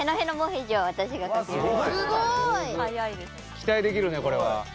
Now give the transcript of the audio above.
期待できるねこれは。